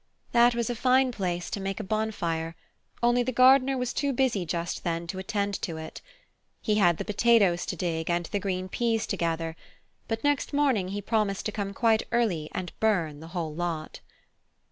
That was a fine place to make a bonfire, only the gardener was too busy just then to attend to it. He had the potatoes to dig and the green peas to gather, but next morning he promised to come quite early and burn the whole lot.